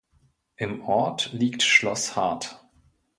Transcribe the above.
Im Ort liegt Schloss Hardt.